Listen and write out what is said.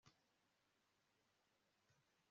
nabwiye ndacyayisenga nenge kutemera impano